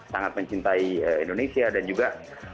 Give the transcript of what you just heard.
sangat mencintai indonesia dan juga